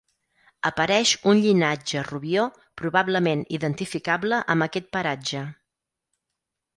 Apareix un llinatge Rubió probablement identificable amb aquest paratge.